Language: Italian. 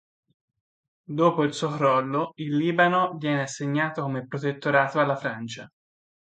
Dopo il suo crollo, il Libano viene assegnato come protettorato alla Francia.